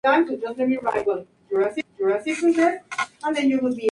La aparición de cigarros explosivos en las franquicias de dibujos animados de Warner Bros.